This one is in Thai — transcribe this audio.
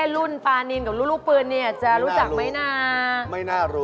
รุ่นป้านีนกับรูเปลืองุบเปือนเนี่ยจะรู้จักไม่น่ารู้